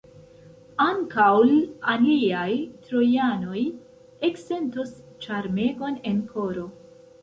Ankaŭ l' aliaj Trojanoj eksentos ĉarmegon en koro.